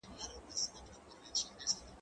هغه څوک چي مړۍ پخوي روغ وي،